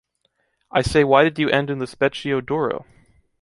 I say why did you end in the Specchio d’Oro?